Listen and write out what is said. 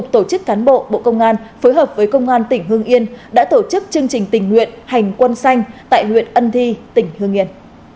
tổ chức cán bộ bộ công an phối hợp với công an tỉnh hương yên đã tổ chức chương trình tình nguyện hành quân xanh tại huyện ân thi tỉnh hương yên